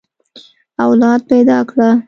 اولاد پيدا کړه.